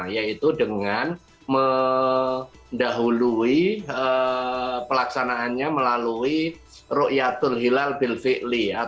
yaitu dengan mendahului pelaksanaannya melalui ru'yatul hilal bil fi'li